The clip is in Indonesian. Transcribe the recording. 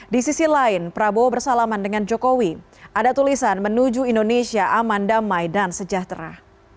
di sisi lain prabowo bersalaman dengan jokowi ada tulisan menuju indonesia aman damai dan sejahtera